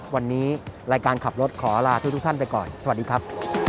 วันนี้รายการขับรถขอลาทุกท่านไปก่อนสวัสดีครับ